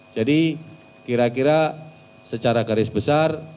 jadi kira kira secara garis besar